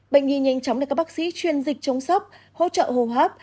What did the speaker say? bệnh nhi nhanh chóng được các bác sĩ chuyên dịch chống sốc hỗ trợ hồ hấp